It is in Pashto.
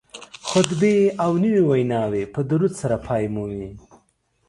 خطبې او نورې ویناوې په درود سره پای مومي